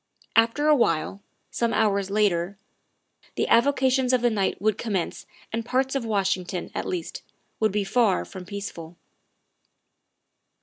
After awhile, some hours later, the avocations of the night would commence and parts of Washington, at least, would be far from peaceful.